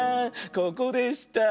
ここでした。